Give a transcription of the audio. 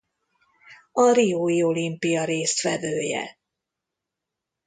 A riói olimpia résztvevője.